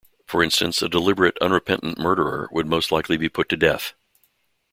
For instance a deliberate unrepentant murderer would most likely be put to death.